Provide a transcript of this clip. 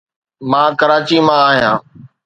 مان ڪراچي مان آهيان.